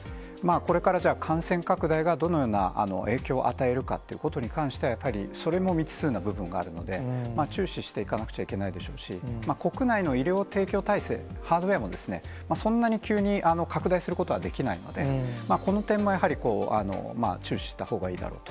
これからじゃあ、感染拡大がどのような影響を与えるかっていうことに関しては、やはり、それも未知数な部分があるので、注視していかなくちゃいけないでしょうし、国内の医療提供体制、ハードウエアも、そんなに急に拡大することはできないので、この点もやはり注視したほうがいいだろうと。